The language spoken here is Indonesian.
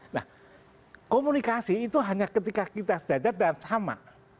nah komunikasi itu hanya ketika kita sejajar dan sama